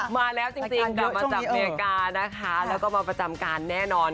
มาแล้วจริงกลับประจำการแน่นอน